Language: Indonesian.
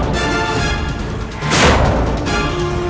selamat tinggal puteraku